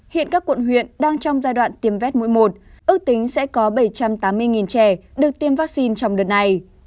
hiện các quận huyện đang trong giai đoạn tiêm vét mũi một ước tính sẽ có bảy trăm tám mươi trẻ được tiêm vaccine trong đợt này